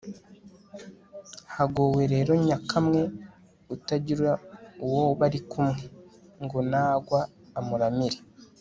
hagowe rero nyakamwe, utagira uwo bari kumwe.ngo nagwa amuramire